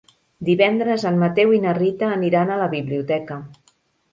Divendres en Mateu i na Rita aniran a la biblioteca.